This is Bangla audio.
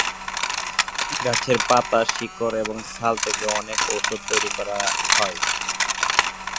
গাছের পাতা, শিকড় এবং ছাল থেকে অনেক ওষুধ তৈরি করা হয়।